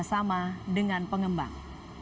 bersama dengan pengembang